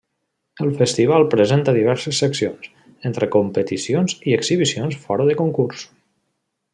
El festival presenta diverses seccions, entre competicions i exhibicions fora de concurs.